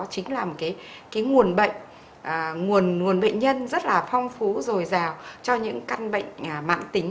chính là một cái nguồn bệnh nguồn bệnh nhân rất là phong phú rồi rào cho những căn bệnh mạng tính